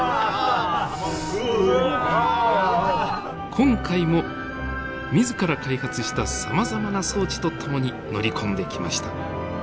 今回も自ら開発したさまざまな装置と共に乗り込んできました。